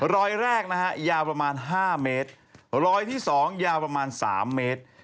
รอยแรกนะฮะยาวประมาณ๕เมตรรอยที่๒ยาวประมาณ๓เมตร